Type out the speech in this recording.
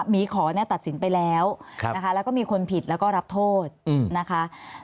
หมีขอตัดสินไปแล้วนะคะแล้วก็มีคนผิดแล้วก็รับโทษนะคะ